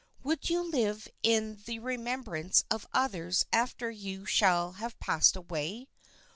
Would you live in the remembrance of others after you shall have passed away?